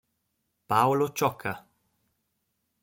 Paolo Ciocca.